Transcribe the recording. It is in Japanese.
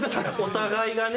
お互いがね。